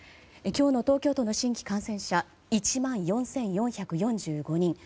今日の東京都の新規感染者１万４４４５人。